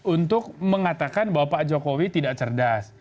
untuk mengatakan bahwa pak jokowi tidak cerdas